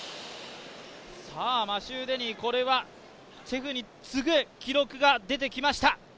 さあマシュー・デニー、これはチェフに次ぐ記録が出てきました。